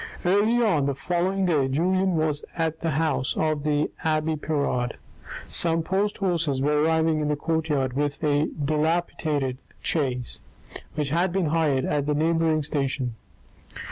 Early on the following day Julien was at the house of the abbe Pirard. Some post horses were arriving in the courtyard with a dilapidated chaise which had been hired at a neigh bouring station.